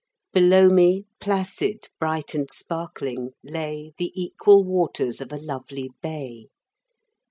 Below me, placid, bright and sparkling, lay The equal waters of a lovely bay.